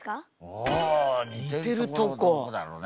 あ似てるとこどこだろうね？